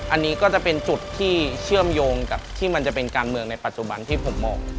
อันนี้ก็จะเป็นจุดที่เชื่อมโยงกับที่มันจะเป็นการเมืองในปัจจุบันที่ผมมอง